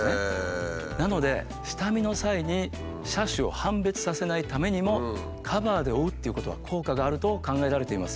なので下見の際に車種を判別させないためにもカバーで覆うっていうことは効果があると考えられています。